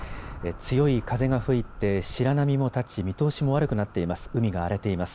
強い風が吹いて白波も立ち見通しも悪くなっています。